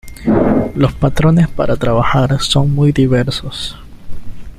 Los patrones para trabajar son muy diversos.